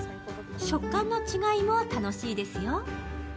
食感の違いも楽しいですよ。